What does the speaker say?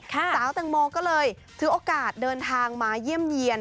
สาวแตงโมก็เลยถือโอกาสเดินทางมาเยี่ยมเยี่ยน